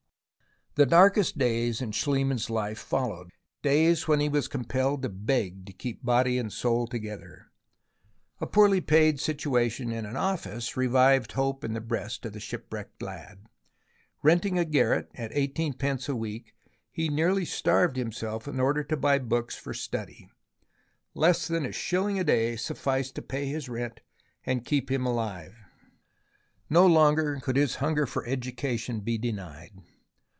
The darkest days in Schliemann's life followed, days when he was compelled to beg to keep body and soul together. A poorly paid situation in an office revived hope in the breast of the shipwrecked lad. Renting a garret at eighteenpence a week, he nearly starved himself in order to buy books for study. Less than a shilling a day sufficed to pay his rent and keep him alive. No longer could his hunger for education be denied.